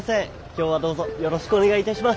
今日はどうぞよろしくお願いいたします！